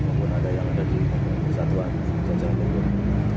maupun ada yang ada di satuan kita jangan lupa